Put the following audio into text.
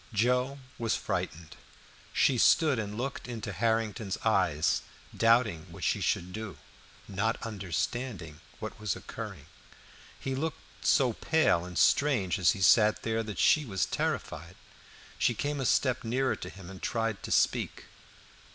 Joe was frightened; she stood and looked into Harrington's eyes, doubting what she should do, not understanding what was occurring. He looked so pale and strange as he sat there, that she was terrified. She came a step nearer to him, and tried to speak.